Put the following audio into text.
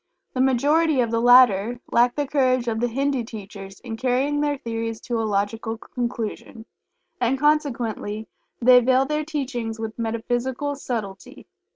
The majority of the latter lack the courage of the Hindu teachers in carrying their theories to a logical conclusion, and, consequently they veil their teachings with metaphysical subtlety.